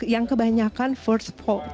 yang kebanyakan first vote